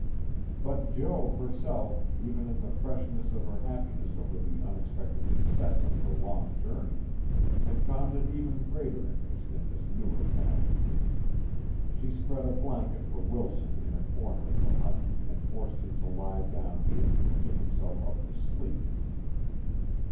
But Jo herself, even in the freshness of her happiness over the unexpected success of her long journey, had found an even greater interest in this newer passion. She spread a blanket for Wilson in a corner of the hut and forced him to lie down here and give himself up to sleep.